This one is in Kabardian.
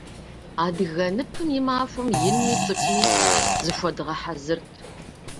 Адыгэ ныпым и махуэм инми цӏыкӏуми зыхуэдгъэхьэзырт.